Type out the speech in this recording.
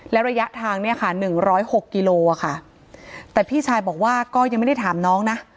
และระยะทางเนี่ยค่ะ๑๐๖กิโลอ่ะค่ะแต่พี่ชายบอกว่าก็ยังไม่ได้ถามน้องนะ